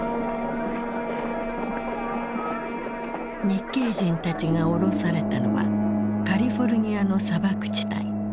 日系人たちが降ろされたのはカリフォルニアの砂漠地帯。